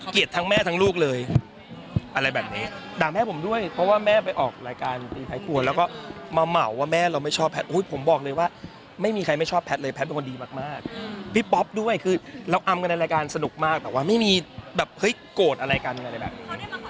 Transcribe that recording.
ทั้งแม่ทั้งลูกเลยอะไรแบบนี้ด่าแม่ผมด้วยเพราะว่าแม่ไปออกรายการตีท้ายครัวแล้วก็มาเหมาว่าแม่เราไม่ชอบแพทย์ผมบอกเลยว่าไม่มีใครไม่ชอบแพทย์เลยแพทย์เป็นคนดีมากพี่ป๊อปด้วยคือเราอำกันในรายการสนุกมากแต่ว่าไม่มีแบบเฮ้ยโกรธอะไรกันอะไรแบบนี้